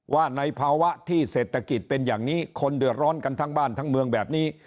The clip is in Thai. ว่าในภาวะที่เศรษฐกิจเป็นอย่างนี้คนเดือดร้อนกันทั้งบ้านทั้งเมืองแบบนี้